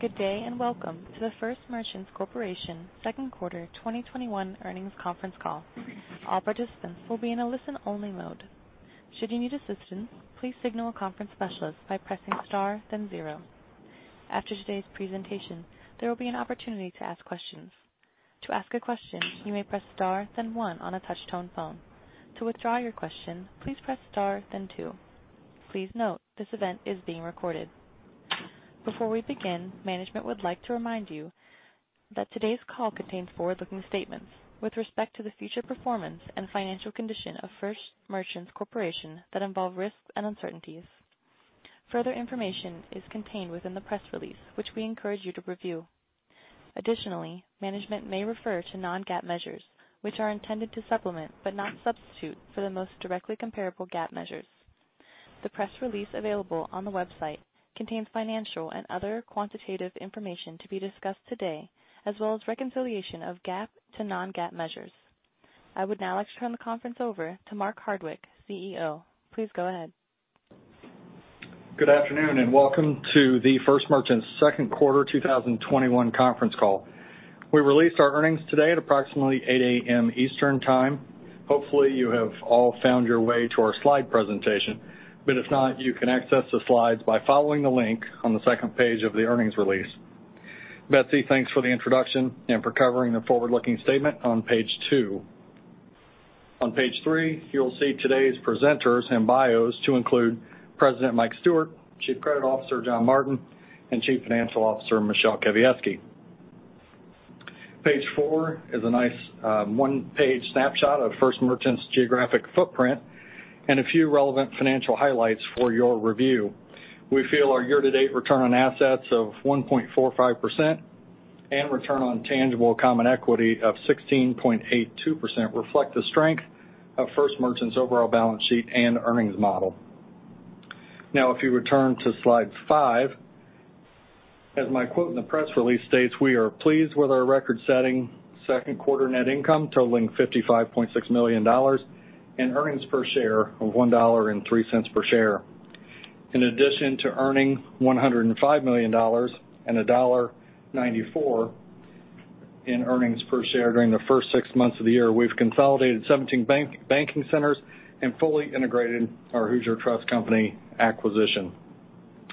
Good day and welcome to the First Merchants Corporation second quarter 2021 earnings conference call. All participants will be in a listen-only mode. Should you need assistance, please signal a conference specialist by pressing star then zero. After today's presentation, there will be an opportunity to ask questions. To ask a question, you may press star then one on a touchtone phone. To withdraw your question, please press star then two. Please note, this event is being recorded. Before we begin, management would like to remind you that today's call contains forward-looking statements with respect to the future performance and financial condition of First Merchants Corporation that involve risks and uncertainties. Further information is contained within the press release, which we encourage you to review. Additionally, management may refer to non-GAAP measures, which are intended to supplement, but not substitute, for the most directly comparable GAAP measures. The press release available on the website contains financial and other quantitative information to be discussed today, as well as reconciliation of GAAP to non-GAAP measures. I would now like to turn the conference over to Mark Hardwick, CEO. Please go ahead. Good afternoon, welcome to the First Merchants Q2 2021 conference call. We released our earnings today at approximately 8:00 A.M. Eastern Time. Hopefully, you have all found your way to our slide presentation, but if not, you can access the slides by following the link on the second page of the earnings release. Betsy, thanks for the introduction and for covering the forward-looking statement on page two. On page three, you'll see today's presenters and bios to include President Mike Stewart, Chief Credit Officer John Martin, and Chief Financial Officer Michele Kawiecki. Page four is a nice 1-page snapshot of First Merchants geographic footprint and a few relevant financial highlights for your review. We feel our year-to-date return on assets of 1.45% and return on tangible common equity of 16.82% reflect the strength of First Merchants' overall balance sheet and earnings model. If you return to slide five, as my quote in the press release states, we are pleased with our record-setting second quarter net income totaling $55.6 million and earnings per share of $1.03 per share. In addition to earning $105 million and $1.94 in earnings per share during the first six months of the year, we've consolidated 17 banking centers and fully integrated our Hoosier Trust Company acquisition.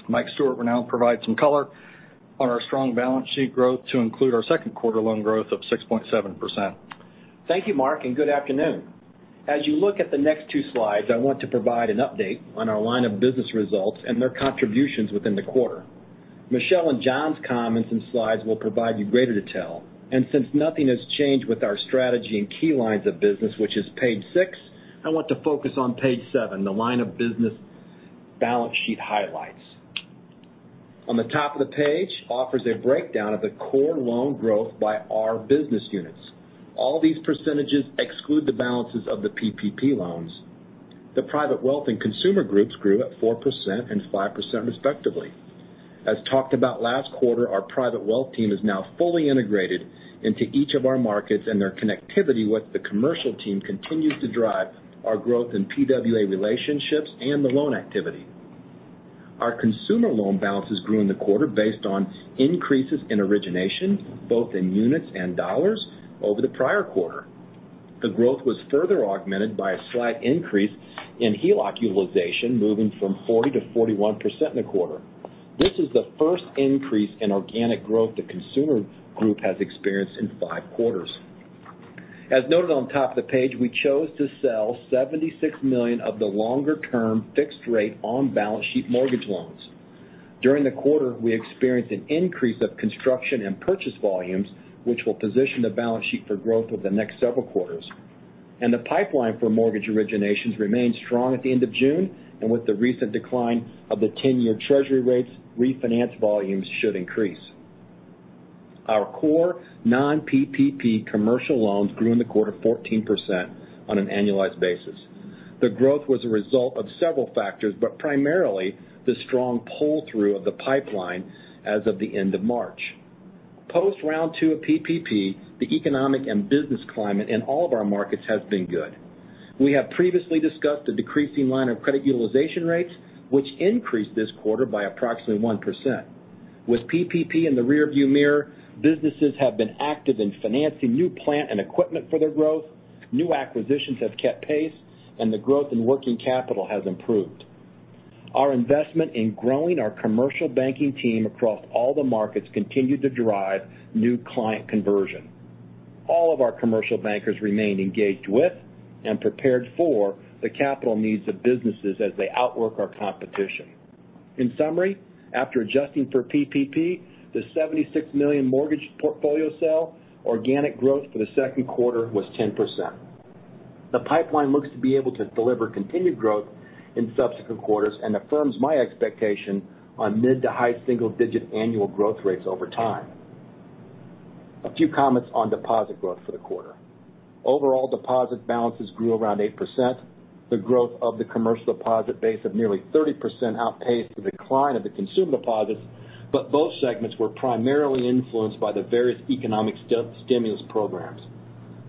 Mike Stewart will now provide some color on our strong balance sheet growth to include our second quarter loan growth of 6.7%. Thank you Mark and good afternoon. As you look at the next two slides, I want to provide an update on our line of business results and their contributions within the quarter. Michele and John's comments and slides will provide you greater detail, and since nothing has changed with our strategy and key lines of business, which is page six, I want to focus on page seven, the line of business balance sheet highlights. On the top of the page offers a breakdown of the core loan growth by our business units. All these percentages exclude the balances of the PPP loans. The private wealth and consumer groups grew at 4% and 5% respectively. As talked about last quarter, our private wealth team is now fully integrated into each of our markets, and their connectivity with the commercial team continues to drive our growth in PWA relationships and the loan activity. Our consumer loan balances grew in the quarter based on increases in origination, both in units and dollars over the prior quarter. The growth was further augmented by a slight increase in HELOC utilization, moving from 40%-41% in the quarter. This is the first increase in organic growth the consumer group has experienced in five quarters. As noted on top of the page, we chose to sell $76 million of the longer-term fixed rate on balance sheet mortgage loans. During the quarter, we experienced an increase of construction and purchase volumes, which will position the balance sheet for growth over the next several quarters. The pipeline for mortgage originations remained strong at the end of June. With the recent decline of the 10-year treasury rates, refinance volumes should increase. Our core non-PPP commercial loans grew in the quarter 14% on an annualized basis. The growth was a result of several factors, but primarily the strong pull-through of the pipeline as of the end of March. Post round two of PPP, the economic and business climate in all of our markets has been good. We have previously discussed the decreasing line of credit utilization rates, which increased this quarter by approximately 1%. With PPP in the rearview mirror, businesses have been active in financing new plant and equipment for their growth, new acquisitions have kept pace, and the growth in working capital has improved. Our investment in growing our commercial banking team across all the markets continued to drive new client conversion. All of our commercial bankers remained engaged with and prepared for the capital needs of businesses as they outwork our competition. In summary, after adjusting for PPP, the $76 million mortgage portfolio sale, organic growth for the second quarter was 10%. The pipeline looks to be able to deliver continued growth in subsequent quarters and affirms my expectation on mid to high single-digit annual growth rates over time. A few comments on deposit growth for the quarter. Overall deposit balances grew around 8%. The growth of the commercial deposit base of nearly 30% outpaced the decline of the consumer deposits. Both segments were primarily influenced by the various economic stimulus programs.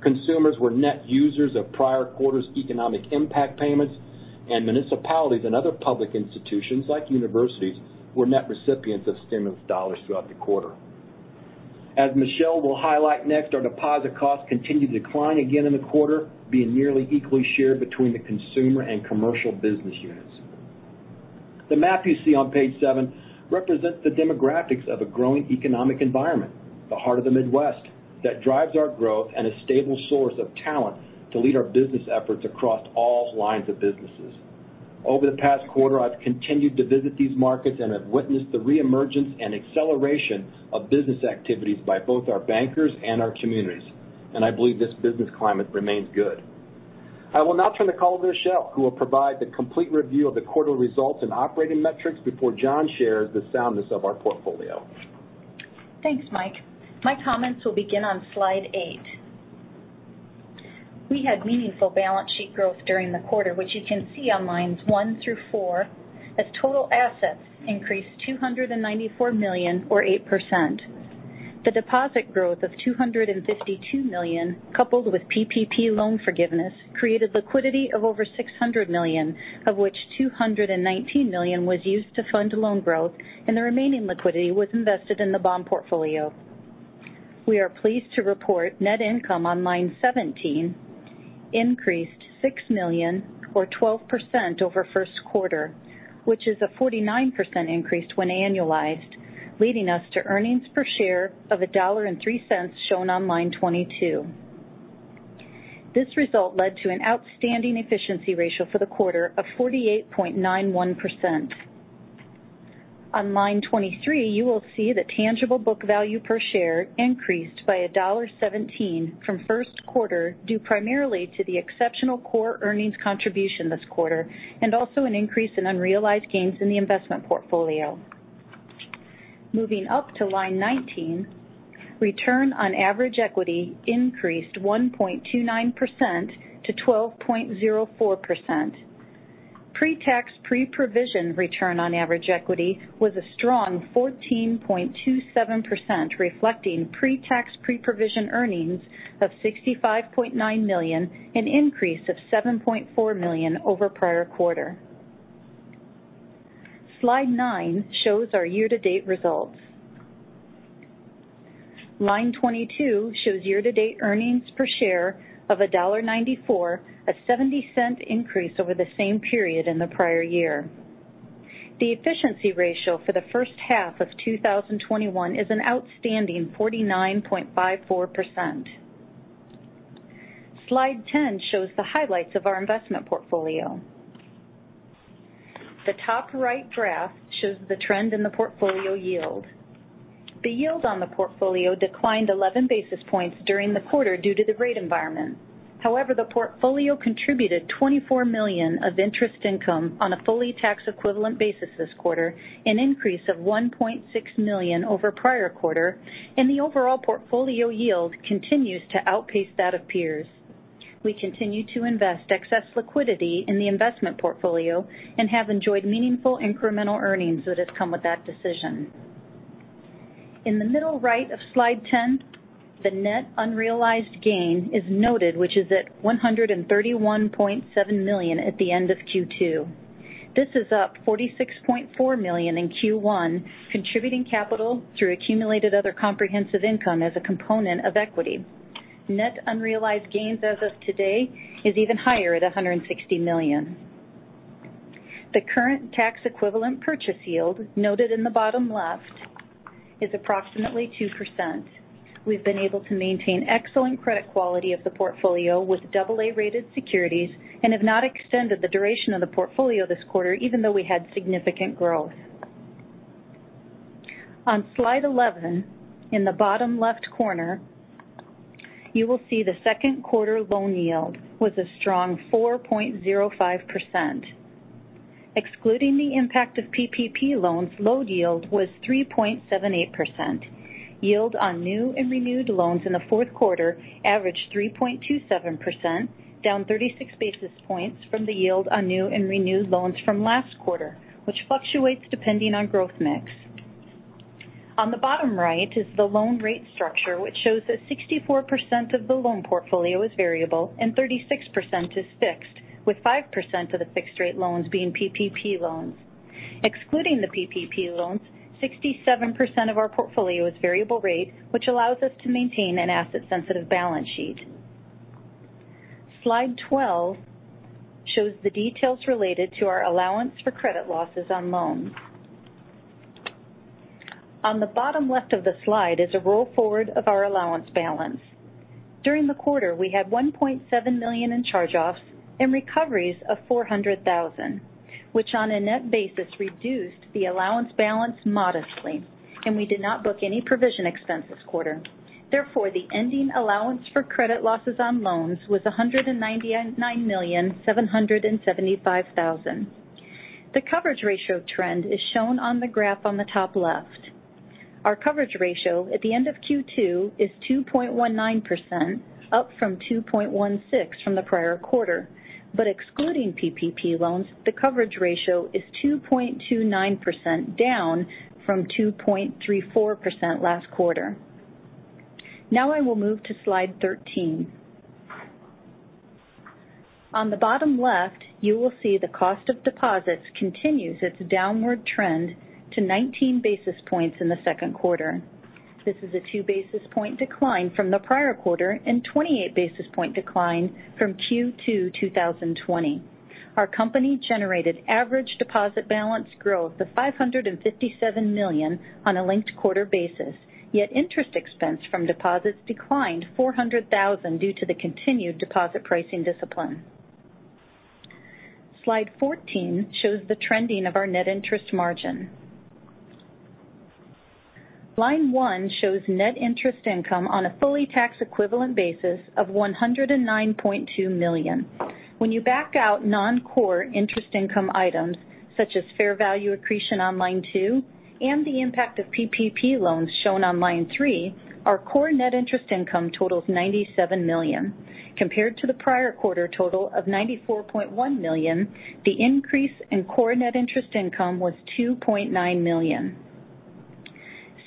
Consumers were net users of prior quarter's economic impact payments. Municipalities and other public institutions, like universities, were net recipients of stimulus dollars throughout the quarter. As Michele will highlight next, our deposit costs continued to decline again in the quarter, being nearly equally shared between the consumer and commercial business units. The map you see on page seven represents the demographics of a growing economic environment, the heart of the Midwest, that drives our growth and a stable source of talent to lead our business efforts across all lines of businesses. Over the past quarter, I've continued to visit these markets and have witnessed the reemergence and acceleration of business activities by both our bankers and our communities. I believe this business climate remains good. I will now turn the call to Michele, who will provide the complete review of the quarterly results and operating metrics before John shares the soundness of our portfolio. Thanks Mike. My comments will begin on slide eight. We had meaningful balance sheet growth during the quarter, which you can see on lines 1 through 4, as total assets increased $294 million, or 8%. The deposit growth of $252 million, coupled with PPP loan forgiveness, created liquidity of over $600 million, of which $219 million was used to fund loan growth, and the remaining liquidity was invested in the bond portfolio. We are pleased to report net income on line 17 increased $6 million, or 12%, over First Quarter, which is a 49% increase when annualized, leading us to earnings per share of $1.03, shown on line 22. This result led to an outstanding efficiency ratio for the quarter of 48.91%. On line 23, you will see that tangible book value per share increased by $1.17 from first quarter, due primarily to the exceptional core earnings contribution this quarter, and also an increase in unrealized gains in the investment portfolio. Moving up to line 19, return on average equity increased 1.29% to 12.04%. Pre-tax, pre-provision return on average equity was a strong 14.27%, reflecting pre-tax, pre-provision earnings of $65.9 million, an increase of $7.4 million over prior quarter. Slide nine shows our year-to-date results. Line 22 shows year-to-date earnings per share of $1.94, a $0.70 increase over the same period in the prior year. The efficiency ratio for the first half of 2021 is an outstanding 49.54%. Slide 10 shows the highlights of our investment portfolio. The top right graph shows the trend in the portfolio yield. The yield on the portfolio declined 11 basis points during the quarter due to the rate environment. However, the portfolio contributed $24 million of interest income on a fully tax-equivalent basis this quarter, an increase of $1.6 million over prior quarter, and the overall portfolio yield continues to outpace that of peers. We continue to invest excess liquidity in the investment portfolio and have enjoyed meaningful incremental earnings that have come with that decision. In the middle right of slide 10, the net unrealized gain is noted, which is at $131.7 million at the end of Q2. This is up $46.4 million in Q1, contributing capital through accumulated other comprehensive income as a component of equity. Net unrealized gains as of today is even higher at $160 million. The current tax equivalent purchase yield noted in the bottom left, is approximately 2%. We've been able to maintain excellent credit quality of the portfolio with AA-rated securities and have not extended the duration of the portfolio this quarter, even though we had significant growth. On slide 11, in the bottom left corner, you will see the second quarter loan yield was a strong 4.05%. Excluding the impact of PPP loans, loan yield was 3.78%. Yield on new and renewed loans in the fourth quarter averaged 3.27%, down 36 basis points from the yield on new and renewed loans from last quarter, which fluctuates depending on growth mix. On the bottom right is the loan rate structure, which shows that 64% of the loan portfolio is variable and 36% is fixed, with 5% of the fixed-rate loans being PPP loans. Excluding the PPP loans, 67% of our portfolio is variable rate, which allows us to maintain an asset-sensitive balance sheet. Slide 12 shows the details related to our allowance for credit losses on loans. On the bottom left of the slide is a roll forward of our allowance balance. During the quarter, we had $1.7 million in charge-offs and recoveries of $400,000, which on a net basis reduced the allowance balance modestly, and we did not book any provision expense this quarter. Therefore, the ending allowance for credit losses on loans was $199,775,000. The coverage ratio trend is shown on the graph on the top left. Our coverage ratio at the end of Q2 is 2.19%, up from 2.16% from the prior quarter. But excluding PPP loans, the coverage ratio is 2.29%, down from 2.34% last quarter. Now I will move to slide 13. On the bottom left, you will see the cost of deposits continues its downward trend to 19 basis points in the second quarter. This is a 2 basis point decline from the prior quarter and 28 basis point decline from Q2 2020. Our company generated average deposit balance growth of $557 million on a linked quarter basis, yet interest expense from deposits declined $400,000 due to the continued deposit pricing discipline. Slide 14 shows the trending of our net interest margin. Line 1 shows net interest income on a fully tax equivalent basis of $109.2 million. When you back out non-core interest income items such as fair value accretion on line two and the impact of PPP loans shown on line three, our core net interest income totals $97 million. Compared to the prior quarter total of $94.1 million, the increase in core net interest income was $2.9 million.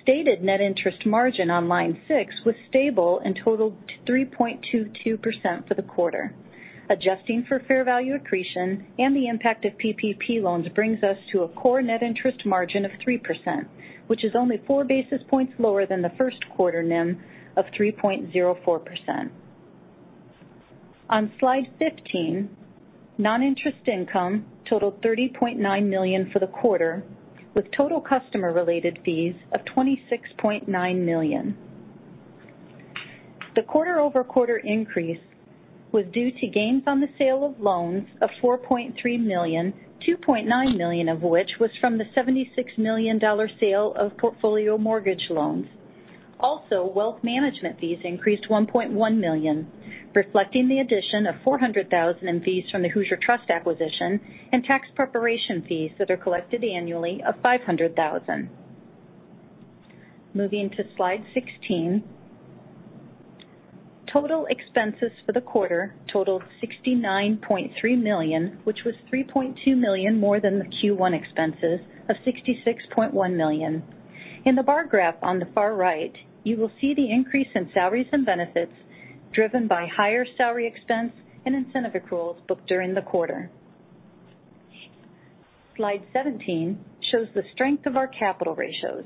Stated net interest margin on line six was stable and totaled 3.22% for the quarter. Adjusting for fair value accretion and the impact of PPP loans brings us to a core net interest margin of 3%, which is only 4 basis points lower than the first quarter NIM of 3.04%. On slide 15, non-interest income totaled $30.9 million for the quarter, with total customer-related fees of $26.9 million. The quarter-over-quarter increase was due to gains on the sale of loans of $4.3 million, $2.9 million of which was from the $76 million sale of portfolio mortgage loans. Wealth management fees increased $1.1 million, reflecting the addition of $400,000 in fees from the Hoosier Trust acquisition and tax preparation fees that are collected annually of $500,000. Moving to slide 16. Total expenses for the quarter totaled $69.3 million, which was $3.2 million more than the Q1 expenses of $66.1 million. In the bar graph on the far right, you will see the increase in salaries and benefits driven by higher salary expense and incentive accruals booked during the quarter. Slide 17 shows the strength of our capital ratios.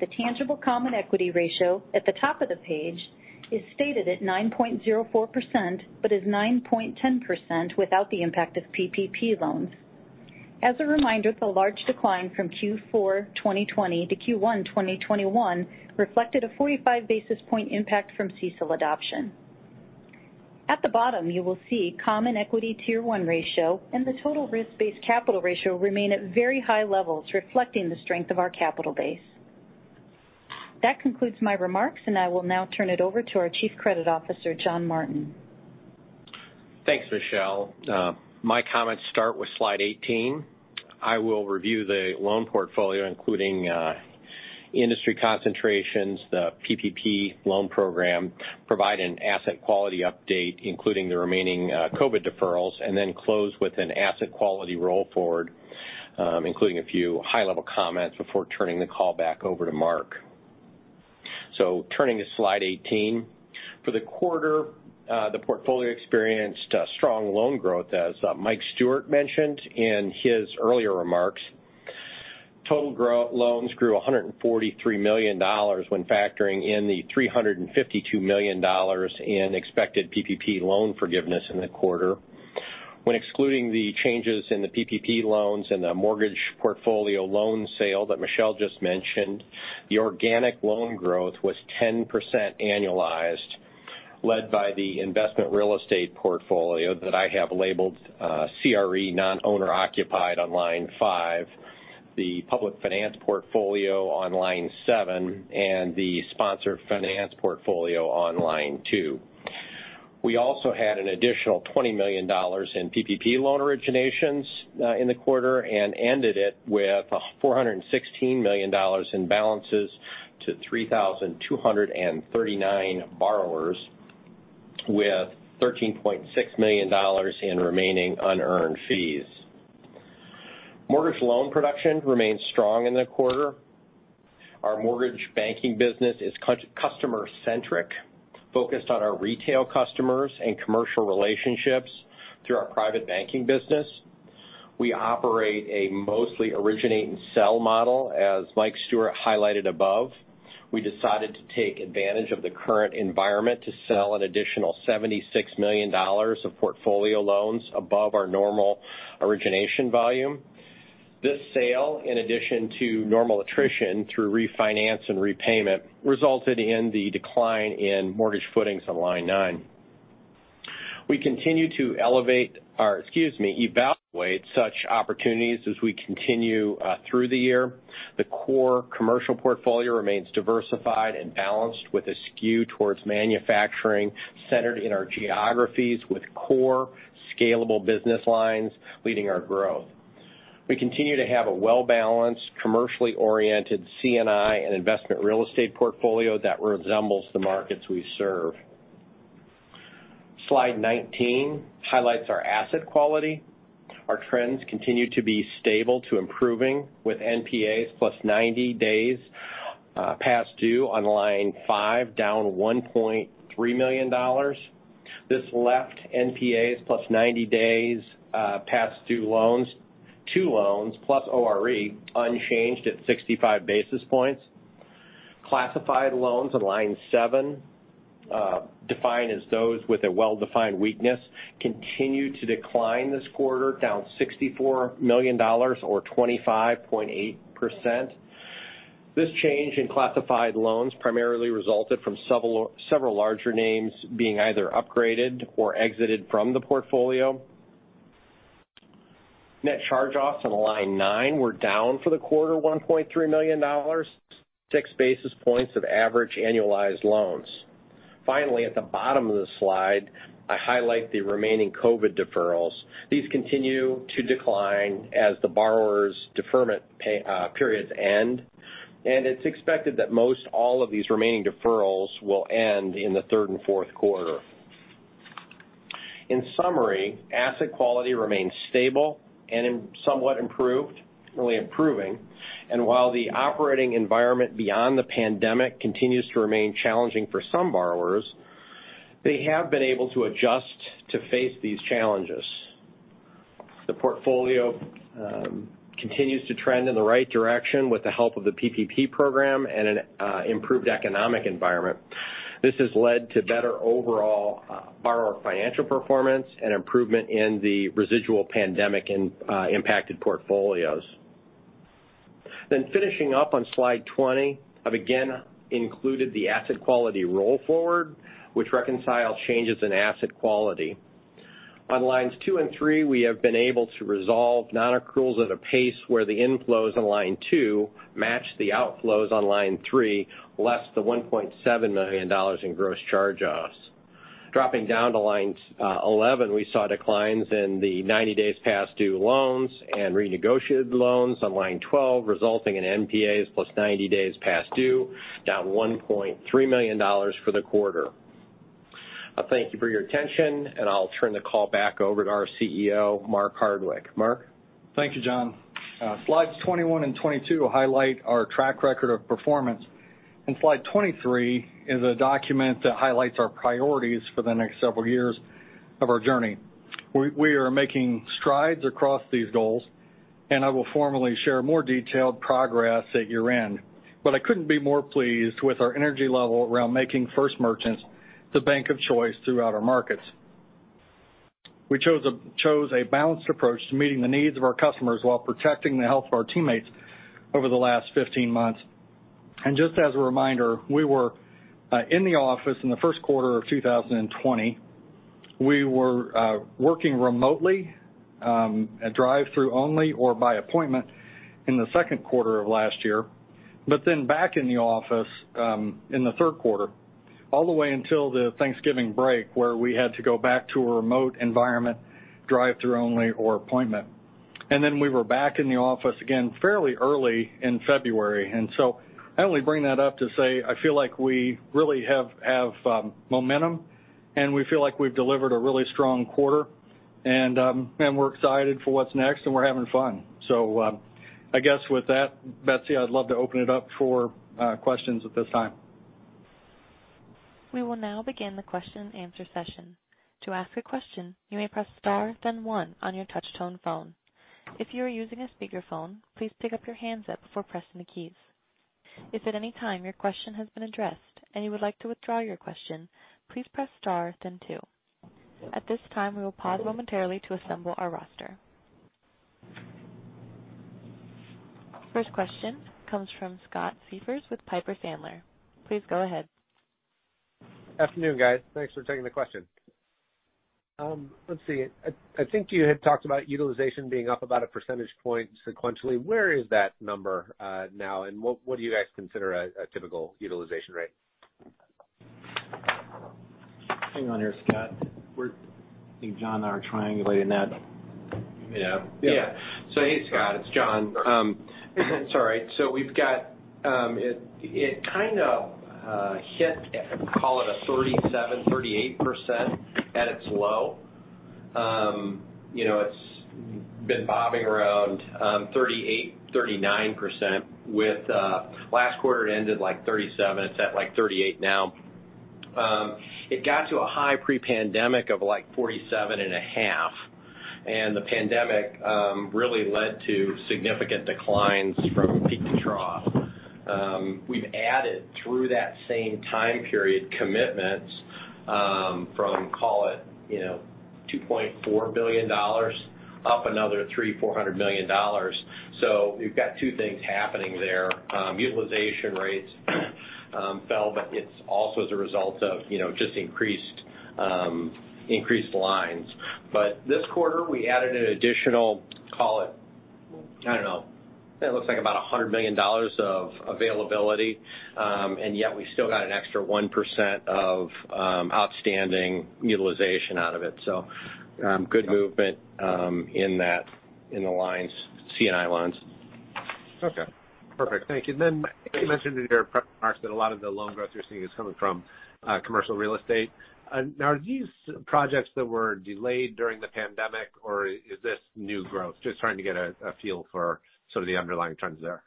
The tangible common equity ratio at the top of the page is stated at 9.04%, but is 9.10% without the impact of PPP loans. As a reminder, the large decline from Q4 2020 to Q1 2021 reflected a 45 basis point impact from CECL adoption. At the bottom, you will see Common Equity Tier 1 ratio and the total risk-based capital ratio remain at very high levels, reflecting the strength of our capital base. That concludes my remarks, and I will now turn it over to our Chief Credit Officer, John Martin. Thanks Michele. My comments start with slide 18. I will review the loan portfolio, including industry concentrations, the PPP loan program, provide an asset quality update, including the remaining COVID deferrals, and then close with an asset quality roll forward, including a few high-level comments before turning the call back over to Mark. Turning to slide 18. For the quarter, the portfolio experienced strong loan growth, as Mike Stewart mentioned in his earlier remarks. Total loans grew $143 million when factoring in the $352 million in expected PPP loan forgiveness in the quarter. When excluding the changes in the PPP loans and the mortgage portfolio loan sale that Michele just mentioned, the organic loan growth was 10% annualized, led by the investment real estate portfolio that I have labeled CRE non-owner occupied on line five, the public finance portfolio on line seven, and the sponsored finance portfolio on line two. We also had an additional $20 million in PPP loan originations in the quarter and ended it with $416 million in balances to 3,239 borrowers with $13.6 million in remaining unearned fees. Mortgage loan production remained strong in the quarter. Our mortgage banking business is customer-centric, focused on our retail customers and commercial relationships through our private banking business. We operate a mostly originate and sell model. As Mike Stewart highlighted above, we decided to take advantage of the current environment to sell an additional $76 million of portfolio loans above our normal origination volume. This sale, in addition to normal attrition through refinance and repayment, resulted in the decline in mortgage footings on line nine. We continue to evaluate such opportunities as we continue through the year. The core commercial portfolio remains diversified and balanced with a skew towards manufacturing centered in our geographies with core scalable business lines leading our growth. We continue to have a well-balanced, commercially oriented C&I and investment real estate portfolio that resembles the markets we serve. Slide 19 highlights our asset quality. Our trends continue to be stable to improving with NPAs plus 90 days past due on line five, down $1.3 million. This left NPAs plus 90 days past due loans to loans plus ORE unchanged at 65 basis points. Classified loans on line seven, defined as those with a well-defined weakness, continued to decline this quarter, down $64 million or 25.8%. This change in classified loans primarily resulted from several larger names being either upgraded or exited from the portfolio. Net charge-offs on line nine- were down for the quarter $1.3 million, 6 basis points of average annualized loans. Finally, at the bottom of the slide, I highlight the remaining COVID deferrals. These continue to decline as the borrowers' deferment periods end, and it's expected that most all of these remaining deferrals will end in the third and fourth quarter. In summary, asset quality remains stable and somewhat improving. While the operating environment beyond the pandemic continues to remain challenging for some borrowers, they have been able to adjust to face these challenges. The portfolio continues to trend in the right direction with the help of the PPP program and an improved economic environment. This has led to better overall borrower financial performance and improvement in the residual pandemic impacted portfolios. Finishing up on slide 20, I've again included the asset quality roll forward, which reconciles changes in asset quality. On lines 2 and 3, we have been able to resolve non-accruals at a pace where the inflows on line two match the outflows on line three, less the $1.7 million in gross charge-offs. Dropping down to lines 11, we saw declines in the 90 days past due loans and renegotiated loans on line 12, resulting in NPAs plus 90 days past due, down $1.3 million for the quarter. I thank you for your attention, and I'll turn the call back over to our CEO, Mark Hardwick. Mark? Thank you John. Slides 21 and 22 highlight our track record of performance. Slide 23 is a document that highlights our priorities for the next several years of our journey. We are making strides across these goals, and I will formally share more detailed progress at year-end. I couldn't be more pleased with our energy level around making First Merchants the bank of choice throughout our markets. We chose a balanced approach to meeting the needs of our customers while protecting the health of our teammates over the last 15 months. Just as a reminder, we were in the office in the first quarter of 2020. We were working remotely, at drive-through only or by appointment in the second quarter of last year. Back in the office in the third quarter, all the way until the Thanksgiving break, where we had to go back to a remote environment, drive-through only, or appointment. We were back in the office again fairly early in February. I only bring that up to say, I feel like we really have momentum, and we feel like we've delivered a really strong quarter. We're excited for what's next, and we're having fun. I guess with that, Betsy, I'd love to open it up for questions at this time. We will now begin the question and answer session. To ask a question, you may press star then one on your touchtone phone. If you are using a speakerphone, please pick up your handset before pressing the keys. If at any time your question has been addessed and you would like to withdraw your question, please press star, then two. At this time, we will pause momentarily to assemble our roster. First question comes from Scott Siefers with Piper Sandler. Please go ahead. Afternoon guys. Thanks for taking the question. Let's see. I think you had talked about utilization being up about a percentage point sequentially. Where is that number now, and what do you guys consider a typical utilization rate? Hang on here Scott. I think John and I are triangulating that. Yeah. Yeah. Hey Scott, it's John. Sorry. It kind of hit, call it a 37%, 38% at its low. It's been bobbing around 38%, 39% with last quarter it ended like 37%. It's at like 38% now. It got to a high pre-pandemic of like 47.5%, and the pandemic really led to significant declines from peak to trough. We've added, through that same time period, commitments from, call it $2.4 billion, up another $300 million-$400 million. We've got two things happening there. Utilization rates fell, but it's also as a result of just increased lines. This quarter we added an additional, call it, I don't know, it looks like about $100 million of availability, and yet we still got an extra 1% of outstanding utilization out of it. Good movement in the C&I loans. Okay perfect. Thank you. You mentioned in your pre- marks that a lot of the loan growth you're seeing is coming from commercial real estate. Are these projects that were delayed during the pandemic, or is this new growth? Just trying to get a feel for the underlying trends there.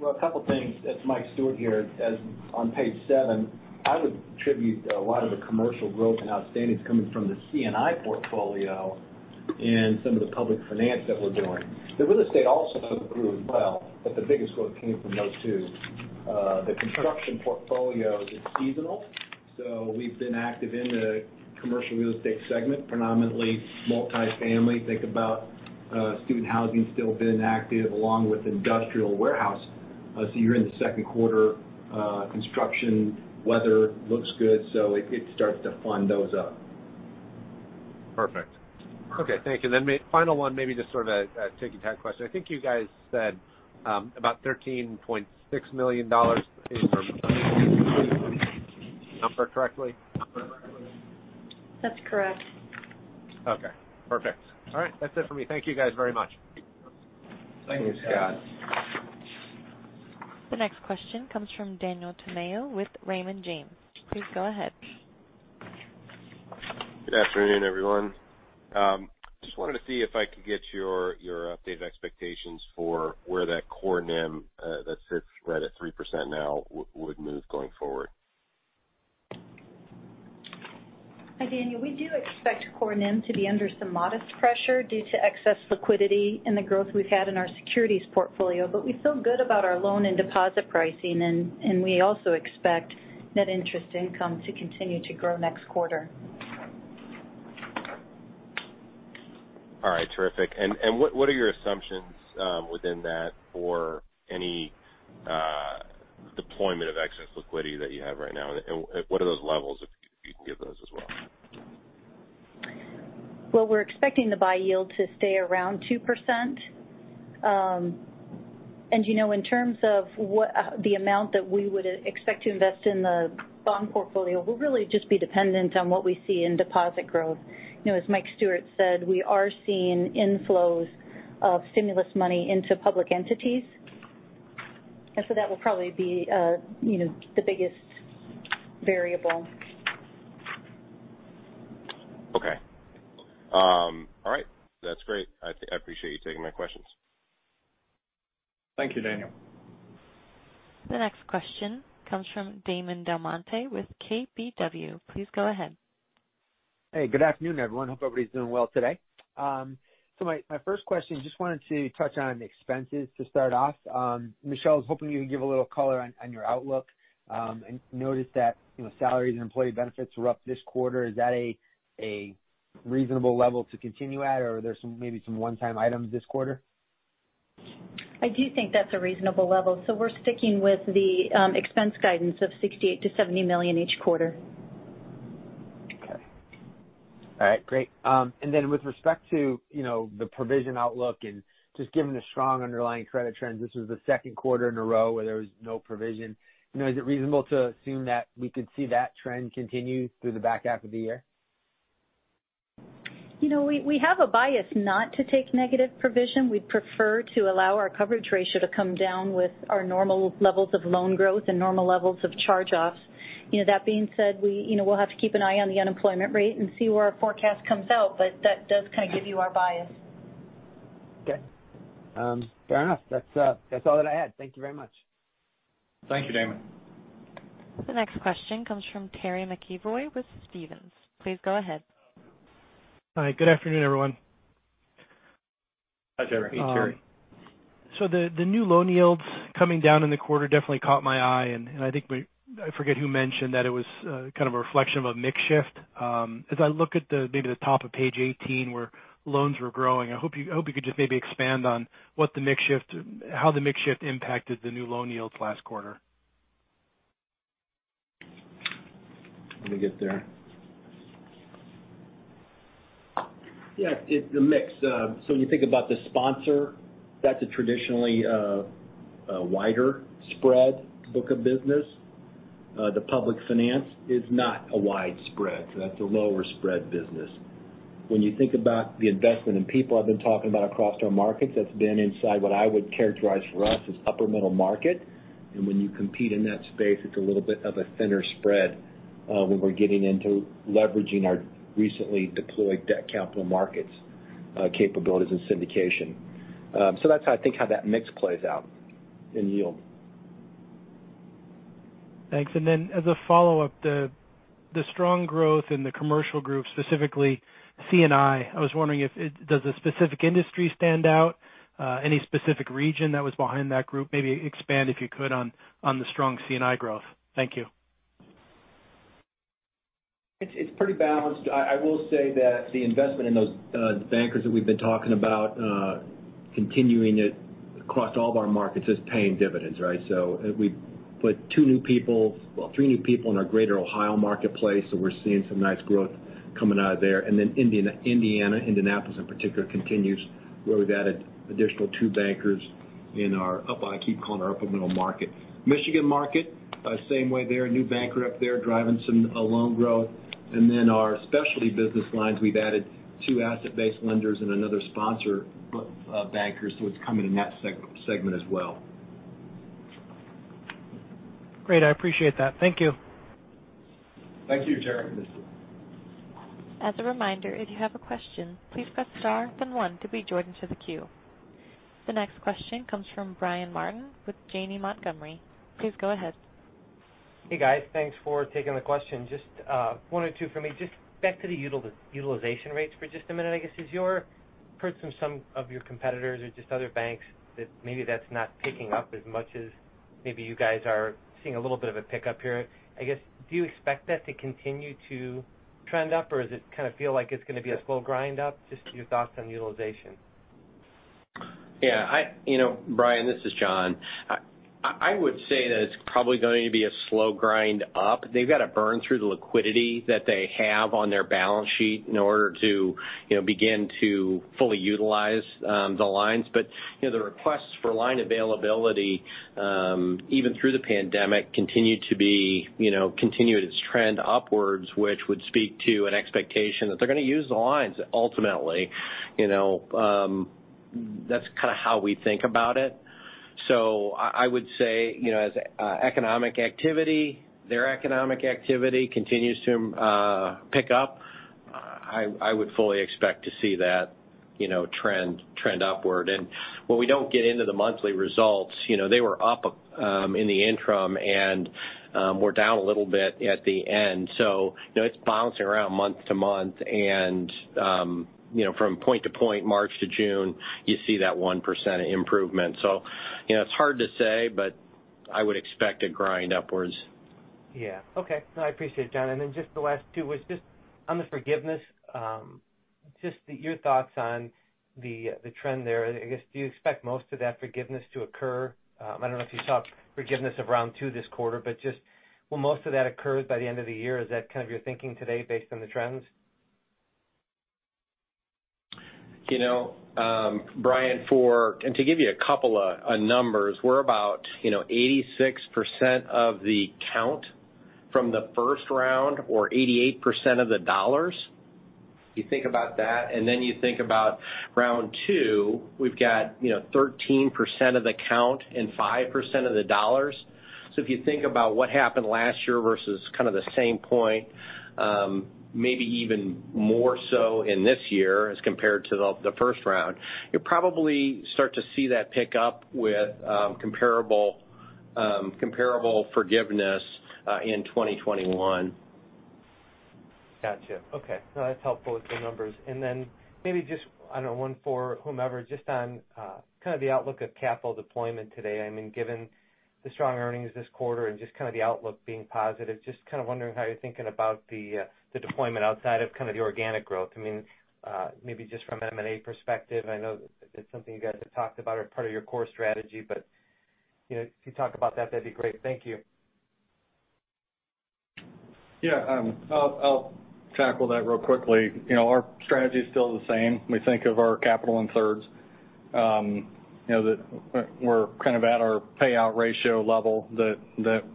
Well, a couple things. It's Mike Stewart here. On page seven, I would attribute a lot of the commercial growth and outstandings coming from the C&I portfolio and some of the public finance that we're doing. The real estate also grew as well, but the biggest growth came from those two. The construction portfolio is seasonal, so we've been active in the commercial real estate segment, predominantly multifamily. Think about student housing still being active along with industrial warehouse. You're in the second quarter construction. Weather looks good, so it starts to fund those up. Perfect. Okay. Thank you. Final one, maybe just sort of a ticky-tack question. I think you guys said about $13.6 million did I get the number correctly? That's correct. Okay perfect. All right. That's it for me. Thank you guys very much. Thank you Scott. The next question comes from Daniel Tamayo with Raymond James. Please go ahead. Good afternoon, everyone. Just wanted to see if I could get your updated expectations for where that core NIM that sits right at 3% now would move going forward. Hi Daniel. We do expect core NIM to be under some modest pressure due to excess liquidity and the growth we've had in our securities portfolio. We feel good about our loan and deposit pricing, and we also expect net interest income to continue to grow next quarter. All right. Terrific. What are your assumptions within that for any deployment of excess liquidity that you have right now? What are those levels, if you can give those as well? Well, we're expecting the buy yield to stay around 2%. In terms of the amount that we would expect to invest in the bond portfolio, will really just be dependent on what we see in deposit growth. As Mike Stewart said, we are seeing inflows of stimulus money into public entities. That will probably be the biggest variable. Okay. All right. That's great. I appreciate you taking my questions. Thank you Daniel. The next question comes from Damon DelMonte with KBW. Please go ahead. Hey good afternoon, everyone. Hope everybody's doing well today. My first question, just wanted to touch on expenses to start off. Michele, I was hoping you could give a little color on your outlook and notice that salaries and employee benefits were up this quarter. Is that a reasonable level to continue at, or are there maybe some one-time items this quarter? I do think that's a reasonable level. We're sticking with the expense guidance of $68 million-$70 million each quarter. Okay. All right. Great. With respect to the provision outlook and just given the strong underlying credit trends, this was the second quarter in a row where there was no provision. Is it reasonable to assume that we could see that trend continue through the back half of the year? We have a bias not to take negative provision. We'd prefer to allow our coverage ratio to come down with our normal levels of loan growth and normal levels of charge-offs. That being said, we'll have to keep an eye on the unemployment rate and see where our forecast comes out, but that does kind of give you our bias. Okay. Fair enough. That's all that I had. Thank you very much. Thank you Damon. The next question comes from Terry McEvoy with Stephens. Please go ahead. Hi. Good afternoon everyone. Hi Terry. The new loan yields coming down in the quarter definitely caught my eye, and I think I forget who mentioned that it was kind of a reflection of a mix shift. As I look at maybe the top of page 18, where loans were growing, I hope you could just maybe expand on how the mix shift impacted the new loan yields last quarter. Let me get there. Yeah, it's a mix. When you think about the sponsor, that's a traditionally a wider spread book of business. The public finance is not a wide spread, so that's a lower spread business. When you think about the investment in people I've been talking about across our markets, that's been inside what I would characterize for us as upper middle market. When you compete in that space, it's a little bit of a thinner spread when we're getting into leveraging our recently deployed debt capital markets capabilities and syndication. That's how I think how that mix plays out in yield. Thanks. Then as a follow-up, the strong growth in the commercial group, specifically C&I was wondering, does a specific industry stand out? Any specific region that was behind that group? Maybe expand, if you could, on the strong C&I growth. Thank you. It's pretty balanced. I will say that the investment in those bankers that we've been talking about continuing it across all of our markets is paying dividends, right? We put two new people, three new people in our greater Ohio marketplace, so we're seeing some nice growth coming out of there. Indiana, Indianapolis in particular, continues where we've added additional two bankers in our upper-I keep calling our upper middle market. Michigan market, same way there. A new banker up there driving some loan growth. Our specialty business lines, we've added two asset-based lenders and another sponsor banker. It's coming in that segment as well. Great. I appreciate that. Thank you. Thank you Terry. As a reminder, if you have a question, please press star then one to be joined to the queue. The next question comes from Brian Martin with Janney Montgomery. Please go ahead. Hey guys. Thanks for taking the question. Just 1 or 2 from me. Just back to the utilization rates for just a minute, I guess. As you've heard from some of your competitors or just other banks that maybe that's not picking up as much as maybe you guys are seeing a little bit of a pickup here. I guess, do you expect that to continue to trend up, or does it kind of feel like it's going to be a slow grind up? Just your thoughts on utilization. Brian this is John. I would say that it's probably going to be a slow grind up. They've got to burn through the liquidity that they have on their balance sheet in order to begin to fully utilize the lines. The requests for line availability, even through the pandemic, continued its trend upwards, which would speak to an expectation that they're going to use the lines ultimately. That's kind of how we think about it. I would say as their economic activity continues to pick up, I would fully expect to see that trend upward. While we don't get into the monthly results, they were up in the interim and were down a little bit at the end. It's bouncing around month to month and from point to point, March to June, you see that 1% improvement. It's hard to say, but I would expect a grind upwards. Yeah. Okay. No, I appreciate it John. Just the last two was just on the forgiveness, just your thoughts on the trend there. I guess, do you expect most of that forgiveness to occur? I don't know if you saw forgiveness of round two this quarter, but just will most of that occurs by the end of the year? Is that kind of your thinking today based on the trends? Brian, to give you a couple of numbers, we're about 86% of the count from the first round or 88% of the dollars. You think about that. You think about round two, we've got 13% of the count and 5% of the dollars. If you think about what happened last year versus kind of the same point, maybe even more so in this year as compared to the first round, you'll probably start to see that pick up with comparable forgiveness in 2021. Got you. Okay. No, that's helpful with the numbers. Then maybe just, I don't know, one for whomever, just on kind of the outlook of capital deployment today. Given the strong earnings this quarter and just kind of the outlook being positive, just kind of wondering how you're thinking about the deployment outside of the organic growth. Maybe just from an M&A perspective. I know it's something you guys have talked about as part of your core strategy, but if you talk about that'd be great. Thank you. Yeah. I'll tackle that real quickly. Our strategy is still the same. We think of our capital in thirds. We're kind of at our payout ratio level that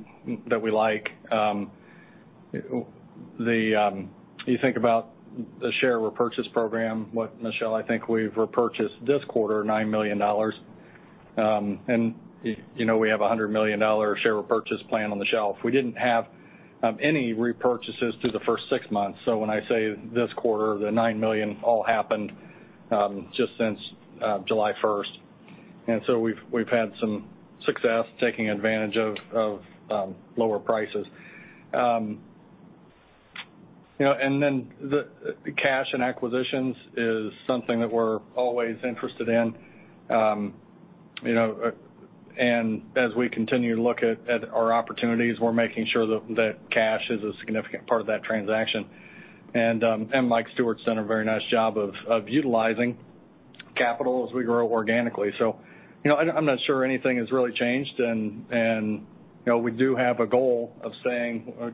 we like. You think about the share repurchase program, what Michele, I think we've repurchased this quarter $9 million. We have a $100 million share repurchase plan on the shelf. We didn't have any repurchases through the first six months. So when I say this quarter, the $9 million all happened just since July 1st. So we've had some success taking advantage of lower prices. The cash and acquisitions is something that we're always interested in. As we continue to look at our opportunities, we're making sure that cash is a significant part of that transaction. Mike Stewart's done a very nice job of utilizing capital as we grow organically. I'm not sure anything has really changed. We do have a goal of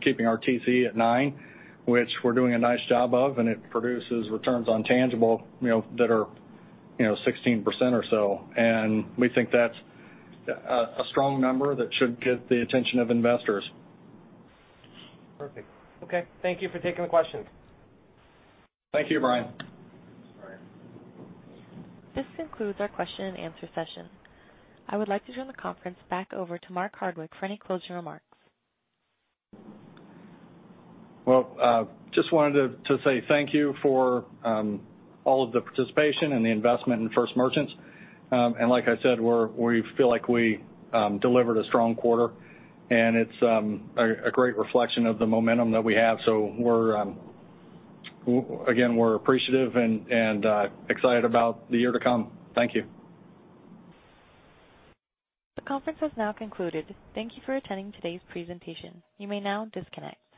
keeping our TCE at nine, which we're doing a nice job of, and it produces returns on tangible that are 16% or so. We think that's a strong number that should get the attention of investors. Perfect. Okay. Thank you for taking the question. Thank you Brian. Thank you Brian. This concludes our question and answer session. I would like to turn the conference back over to Mark Hardwick for any closing remarks. Well, just wanted to say thank you for all of the participation and the investment in First Merchants. Like I said, we feel like we delivered a strong quarter, and it's a great reflection of the momentum that we have. Again, we're appreciative and excited about the year to come. Thank you. The conference has now concluded. Thank you for attending today's presentation. You may now disconnect.